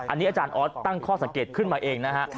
อันนี้อาจารย์ออสตั้งข้อสังเกตขึ้นมาเองนะฮะ